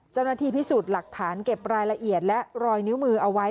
เจ้าหน้าที่พิสูจน์หลักฐานเก็บรายละเอียดและรอยนิ้วมือเอาไว้